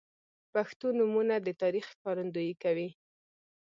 • پښتو نومونه د تاریخ ښکارندویي کوي.